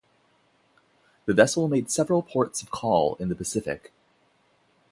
The vessel made several ports of call in the Pacific.